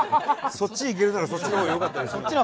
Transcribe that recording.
そっちいけるならそっちの方がよかったりするんだ。